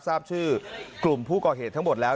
ทราบชื่อกลุ่มผู้ก่อเหตุทั้งหมดแล้ว